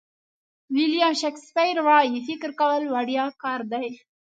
ویلیام شکسپیر وایي فکر کول وړیا کار دی.